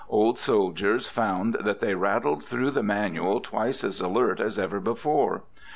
Old soldiers found that they rattled through the manual twice as alert as ever before.